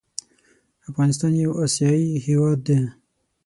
افغانستان يو اسياى هيواد دى